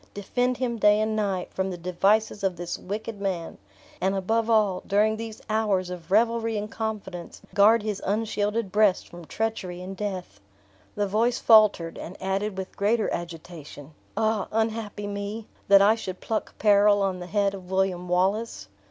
Defend him day and night, from the devices of this wicked man; and, above all, during these hours of revelry and confidence, guard his unshielded breast from treachery and death." The voice faltered, and added with greater agitation, "Ah, unhappy me, that I should pluck peril on the head of William Wallace!"